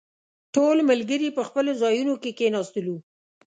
ټول ملګري په خپلو ځايونو کې کښېناستلو.